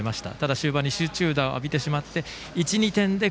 ただ終盤に集中打を浴びてしまった。